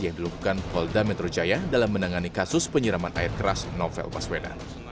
yang dilakukan polda metro jaya dalam menangani kasus penyiraman air keras novel baswedan